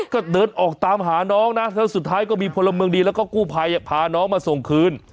ก็เดินออกตามหาน้องนะแล้วสุดท้ายก็มีพลเมืองดีแล้วก็กู้ภัยพาน้องมาส่งคืน